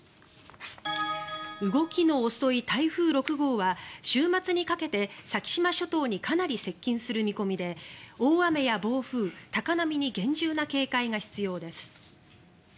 動きの遅い台風６号は週末にかけて先島諸島にかなり接近する見込みで大雨や暴風、高波に厳重な警戒が必要です。